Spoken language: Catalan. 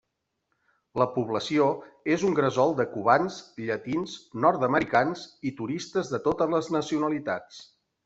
La població és un gresol de cubans, llatins, nord-americans i turistes de totes les nacionalitats.